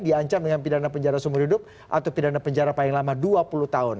diancam dengan pidana penjara seumur hidup atau pidana penjara paling lama dua puluh tahun